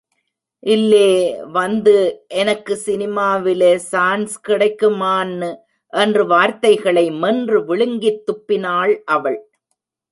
இல்லே... வந்து... எனக்கு சினிமாவிலே சான்ஸ் கிடைக்குமான்னு.......... என்று வார்த்தைகளை மென்று விழுங்கித் துப்பினாள் அவள்.